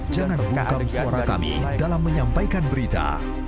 jangan bungkam suara kami dalam menyampaikan berita